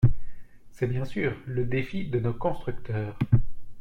C’est, bien sûr, le défi de nos constructeurs.